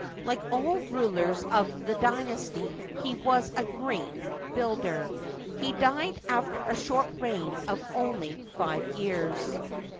Like all rulers of this dynasty, he was a great builder. He died after a short reign of only five years.